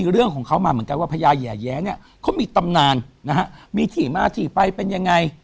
เรื่องของเขามาเหมือนกันว่าพญาแห่แย้เนี่ยเขามีตำนานนะฮะมีที่มาที่ไปเป็นยังไง